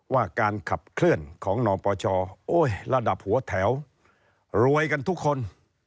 ว่าการขับเคลื่อนของนปชระดับหัวแถวรวยกันทุกคน